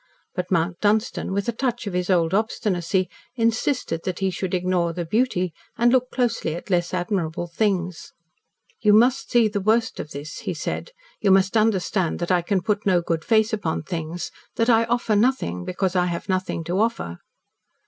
But Mount Dunstan, with a touch of his old obstinacy, insisted that he should ignore the beauty, and look closely at less admirable things. "You must see the worst of this," he said. "You must understand that I can put no good face upon things, that I offer nothing, because I have nothing to offer."